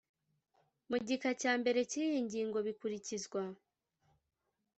mu gika cyambere cy iyi ngingo bikurikizwa